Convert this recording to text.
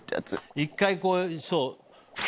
１回こう。